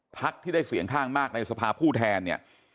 พักที่ได้เสียงข้างมากในสภาผู้แทนเนี่ย